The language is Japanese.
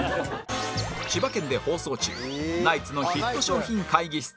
千葉県で放送中『ナイツの ＨＩＴ 商品会議室』